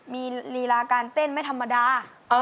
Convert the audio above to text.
มีลีลาการเต้นไม่ธรรมดา